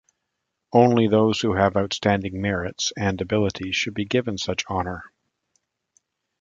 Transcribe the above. Only those who have outstanding merits and abilities should be given such honor.